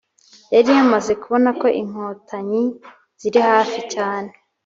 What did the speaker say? yari yamaze kubona ko Inkotanyi ziri hafi cyane